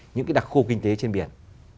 những cái đặc khu kinh tế trên biển